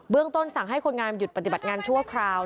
ต้นสั่งให้คนงานหยุดปฏิบัติงานชั่วคราว